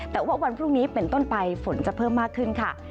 แต่ว่าวันพรุ่งนี้เป็นต้นไปฝนจะเพิ่มมากขึ้นค่ะ